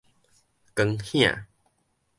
光顯